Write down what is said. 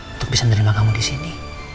untuk bisa menerima kamu disini